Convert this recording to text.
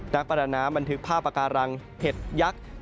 ประดาน้ำบันทึกภาพปากการังเห็ดยักษ์